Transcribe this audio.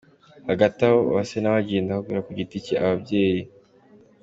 Hagati aho, Uwase nawe agenda ahugura ku giti cye ababyeyi.